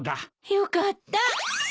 よかった。